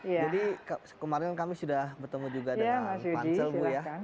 jadi kemarin kami sudah bertemu juga dengan pansel bu ya